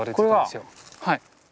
はい。